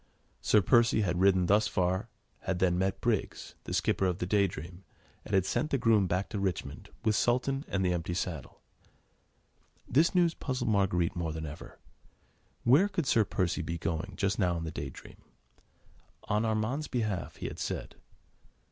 Sir Percy had ridden thus far, had then met Briggs, the skipper of the Day Dream, and had sent the groom back to Richmond with Sultan and the empty saddle. This news puzzled Marguerite more than ever. Where could Sir Percy be going just now in the Day Dream? On Armand's behalf, he had said.